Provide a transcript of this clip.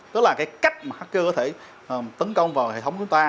đó là cách hacker có thể tấn công vào hệ thống của chúng ta